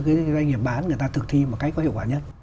cái doanh nghiệp bán người ta thực thi một cách có hiệu quả nhất